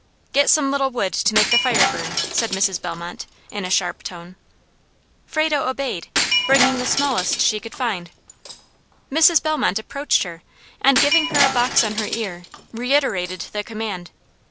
"Get some little wood to make the fire burn," said Mrs. Bellmont, in a sharp tone. Frado obeyed, bringing the smallest she could find. Mrs. Bellmont approached her, and, giving her a box on her ear, reiterated the command.